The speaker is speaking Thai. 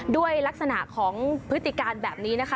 ด้วยลักษณะของพฤติการแบบนี้นะคะ